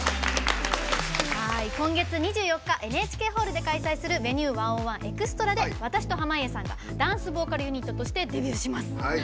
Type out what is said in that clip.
今月２４日、ＮＨＫホールで開催する「Ｖｅｎｕｅ１０１ＥＸＴＲＡ」で私と濱家さんがダンスボーカルユニットとしてデビューします。